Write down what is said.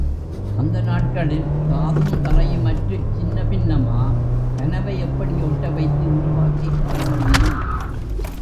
அந்த நாட்களில் காதுந் தலையுமற்றுச் சின்னபின்னமா கனவை எப்படி ஒட்டவைத்து உருவாக்கிக் காணமுடியும்?